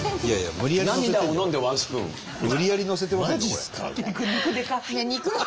無理やりのせてませんか？